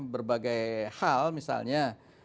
berbagai hal misalnya